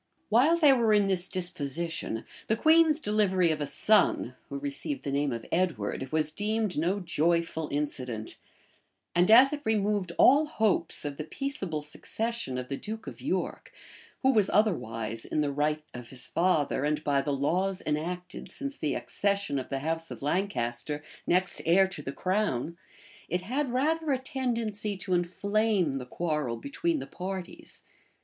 While they were in this disposition, the queen's delivery of a son, who received the name of Edward, was deemed no joyful incident; and as it removed all hopes of the peaceable succession of the duke of York, who was otherwise, in the right of his father, and by the laws enacted since the accession of the house of Lancaster, next heir to the crown, it had rather a tendency to inflame the quarrel between the parties.